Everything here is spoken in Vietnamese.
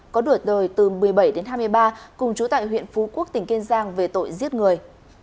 có tuổi đời từ một mươi bảy đến hai mươi ba cùng chú tại huyện phú quốc tỉnh kiên giang về tội giết người